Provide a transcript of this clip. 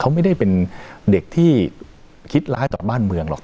เขาไม่ได้เป็นเด็กที่คิดร้ายต่อบ้านเมืองหรอก